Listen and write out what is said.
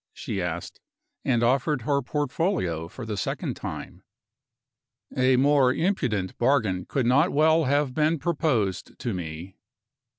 she asked, and offered her portfolio for the second time. A more impudent bargain could not well have been proposed to me.